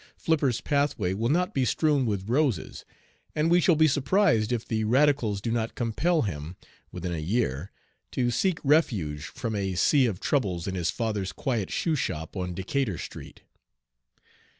Flipper's pathway will not be strewn with roses, and we shall be surprised if the Radicals do not compel him, within a year, to seek refuge from a sea of troubles in his father's quiet shoe shop on Decatur Street."